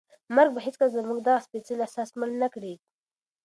مرګ به هیڅکله زموږ دغه سپېڅلی احساس مړ نه کړي.